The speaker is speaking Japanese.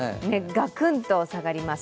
ガクンと下がります。